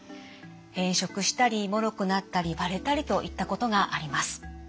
変色したりもろくなったり割れたりといったことがあります。